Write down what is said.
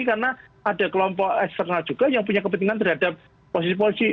karena ada kelompok eksternal juga yang punya kepentingan terhadap posisi polisi